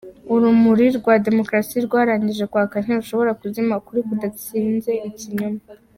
Urumuri rwa Demukarasi rwarangije kwaka ntirushobora kuzima ukuri kudatsinze ikinyoma!